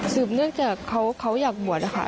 เนื่องจากเขาอยากบวชนะคะ